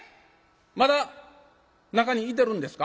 まだ中にいてるんですか？